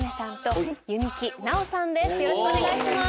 よろしくお願いします。